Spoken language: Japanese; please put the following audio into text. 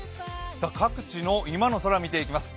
各地の今の空、見ていきます。